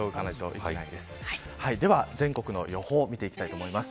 全国の予報を見ていきたいと思います。